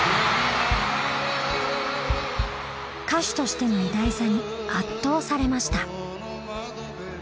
歌手としての偉大さに圧倒されました。